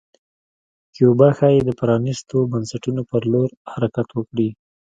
کیوبا ښايي د پرانیستو بنسټونو په لور حرکت وکړي.